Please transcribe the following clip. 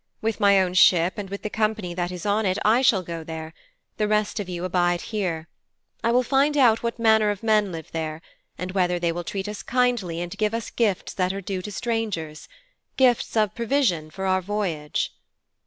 With my own ship and with the company that is on it I shall go there. The rest of you abide here. I will find out what manner of men live there, and whether they will treat us kindly and give us gifts that are due to strangers gifts of provisions for our voyage."'